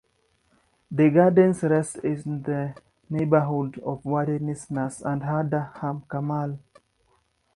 The gardens rest in the neighborhoods of Wadi Nisnas and Hadar HaCarmel.